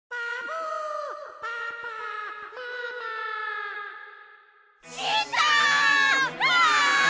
うわ！